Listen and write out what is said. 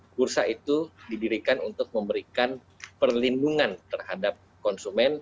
bursa itu didirikan untuk memberikan perlindungan terhadap konsumen